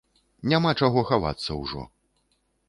Няма чаго хавацца ўжо!